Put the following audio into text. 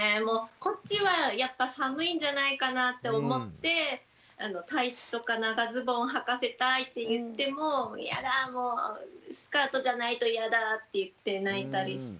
こっちはやっぱ寒いんじゃないかなって思ってタイツとか長ズボンをはかせたいって言っても「嫌だもうスカートじゃないと嫌だ」って言って泣いたりして。